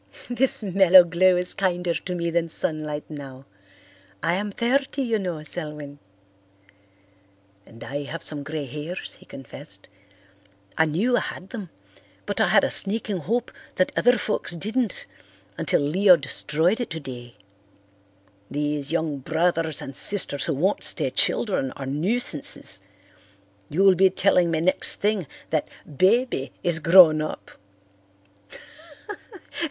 "This mellow glow is kinder to me than sunlight now. I am thirty, you know, Selwyn." "And I have some grey hairs," he confessed. "I knew I had them but I had a sneaking hope that other folks didn't until Leo destroyed it today. These young brothers and sisters who won't stay children are nuisances. You'll be telling me next thing that 'Baby' is grown up."